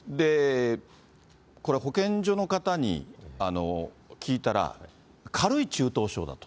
これ、保健所の方に聞いたら、軽い中等症だと。